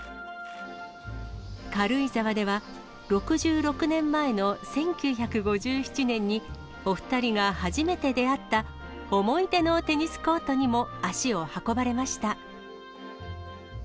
軽井沢では、６６年前の１９５７年に、お２人が初めて出会った思い出のテニスコートにも足を運ばれました。